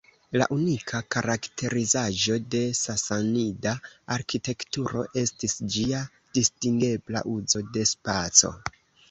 La unika karakterizaĵo de Sasanida arkitekturo, estis ĝia distingebla uzo de spaco.